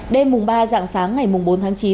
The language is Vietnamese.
đêm mùng ba dạng sáng ngày bốn tháng chín